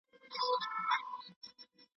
خپل ځیګر وساتئ.